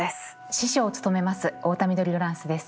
司書を務めます太田緑ロランスです。